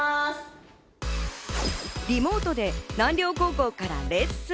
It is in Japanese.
リモートで南稜高校からレッスン。